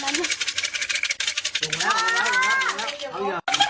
สวัสดีครับทุกคน